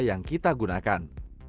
yang kita gunakan